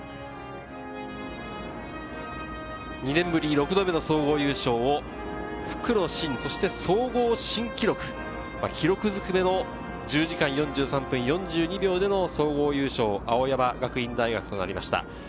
２年ぶり６度目の総合優勝を復路新、総合新記録、記録ずくめの１０時間４３分４２秒で総合優勝、青山学院大学となりました。